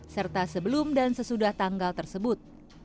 serta sebelum dan sesudah tanggal tersebut